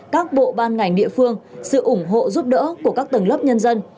các bộ ban ngành địa phương sự ủng hộ giúp đỡ của các tầng lớp nhân dân